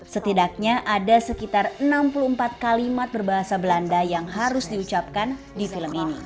setidaknya ada sekitar enam puluh empat kalimat berbahasa belanda yang harus diucapkan di film ini